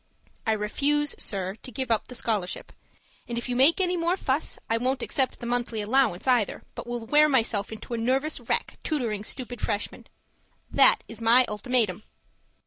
I refuse, sir, to give up the scholarship; and if you make any more fuss, I won't accept the monthly allowance either, but will wear myself into a nervous wreck tutoring stupid Freshmen. That is my ultimatum!